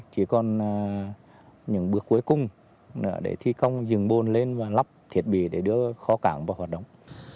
chỉ còn những bước cuối cùng để thi công dựng bồn lên và lắp thiết bị để đưa kho cảng vào hoạt động